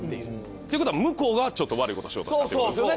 ってことは向こうがちょっと悪いことしようとしたってことですよね？